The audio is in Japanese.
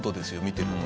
見てると。